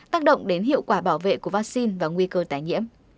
tác động đến hiệu quả bảo vệ của vaccine và nguy cơ tái nhiễm